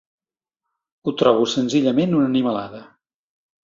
Ho trobo senzillament una animalada.